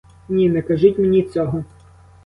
Ні, не кажіть мені цього.